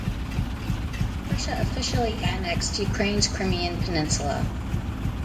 Russia officially annexed Ukraine’s Crimean Peninsula.